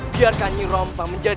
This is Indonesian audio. biarkan ini rompah menjadi tawaran